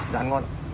dạ ăn ngon